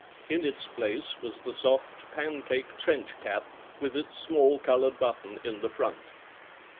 In its place was the soft pancake trench cap with its small colored button in the front.